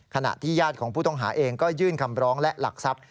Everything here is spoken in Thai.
ขณะที่ญาติของผู้ต้องหาเองก็ยื่นคำร้องและหลักทรัพย์